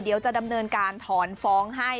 เดี๋ยวจะดำเนินการถอนฟ้องให้